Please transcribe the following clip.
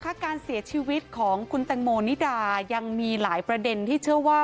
การเสียชีวิตของคุณแตงโมนิดายังมีหลายประเด็นที่เชื่อว่า